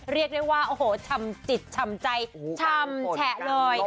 เรียกได้ว่าโอ้โหชำจิตชำใจชำแฉะเลย